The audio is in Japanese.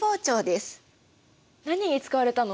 何に使われたの？